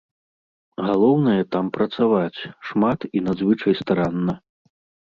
Галоўнае там працаваць, шмат і надзвычай старанна.